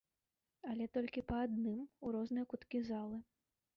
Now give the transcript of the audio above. Але толькі па адным, у розныя куткі залы.